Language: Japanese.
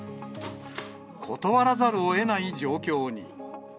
断らざるをえない状況に。